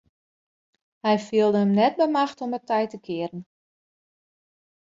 Hy fielde him net by machte om it tij te kearen.